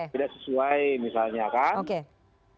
tidak sesuai misalnya kan